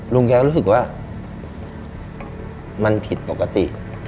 ลุงแกก็รู้สึกว่ามันผิดปกติ